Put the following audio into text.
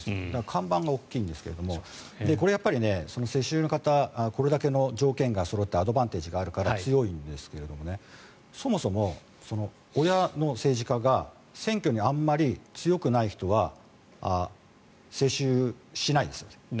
看板が大きいんですが世襲の方これだけの条件がそろってアドバンテージがあるから強いんですがそもそも親の政治家が選挙にあまり強くない人は世襲しないんですよ。